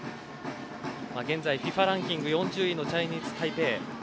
現在ＦＩＦＡランキング４０位のチャイニーズタイペイ。